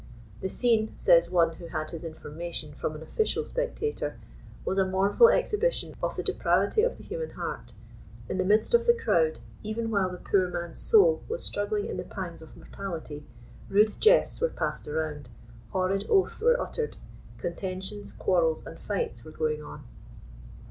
*<The scene," says one who had bis information from an official spectator, << was a mournful exhibition of the de pravity of the human heart In the midst of the crowd, even while the poor man's soul was struggling in the pangs of mortality, rude jests were passed around ; horrid oaths were uttered ; contentions, quarrels and fights were going on."